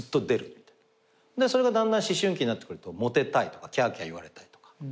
それがだんだん思春期になってくるとモテたいとかキャーキャー言われたいとか。